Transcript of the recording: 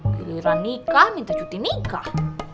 pilih liran nikah minta cuti nikah